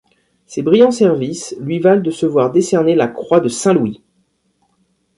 Ses brillants services lui valent de se voir décerner la croix de Saint-Louis.